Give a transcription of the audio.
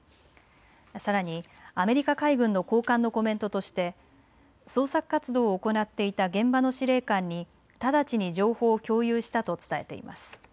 さらにアメリカ海軍の高官のコメントとして捜索活動を行っていた現場の司令官に直ちに情報を共有したと伝えています。